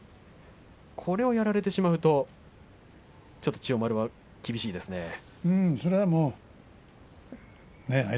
これをやられてしまうと千代丸は厳しいですね。